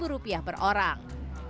tiga puluh rupiah per orang